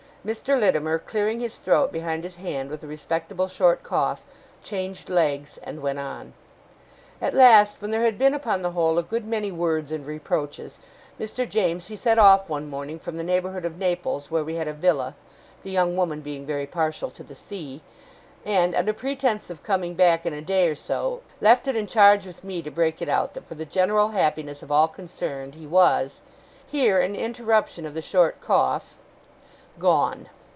Mr. Littimer, clearing his throat behind his hand with a respectable short cough, changed legs, and went on: 'At last, when there had been, upon the whole, a good many words and reproaches, Mr. James he set off one morning, from the neighbourhood of Naples, where we had a villa (the young woman being very partial to the sea), and, under pretence of coming back in a day or so, left it in charge with me to break it out, that, for the general happiness of all concerned, he was' here an interruption of the short cough 'gone.